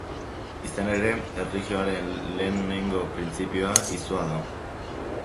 Izan ere, erlijioaren lehenengo printzipioa izua da.